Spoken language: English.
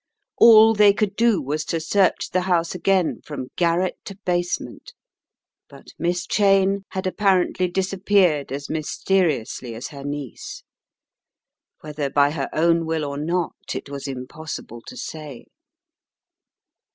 All they could do was to search the house again from garret to basement, but Miss Cheyne had apparently disappeared as mysteriously as her niece. Whether by her own will or not, it was impossible to say.